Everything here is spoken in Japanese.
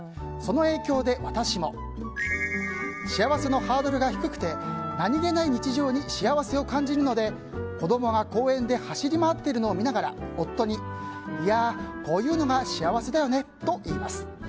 その影響で私も幸せのハードルが低くて何気ない日常に幸せを感じるので、子供が公園で走り回っているのを見ながら夫にいや、こういうのが幸せだよねと言います。